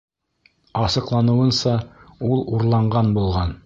Асыҡланыуынса, ул урланған булған.